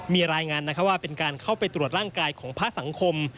มีรายงานว่าเป็นการเข้าไปตรวจร่างกายของพระสังคม